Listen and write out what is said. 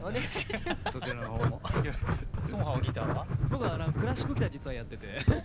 僕クラシックギター実はやってて。